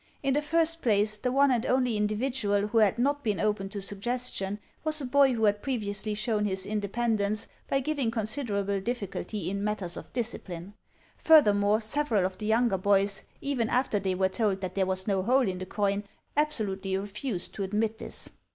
In the first place the one and only individual who had not been open to suggestion was a boy who had previously shown his independence by giving considerable difficulty in matters of discipline. Furthermore, several of the younger boys, even after they were told that there was no hole in the coin, absolutely refused to admit this.